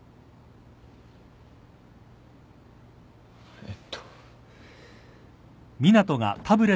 えっと。